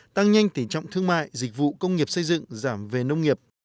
tăng nhanh tỉ trọng thương mại dịch vụ công nghiệp xây dựng giảm về nông nghiệp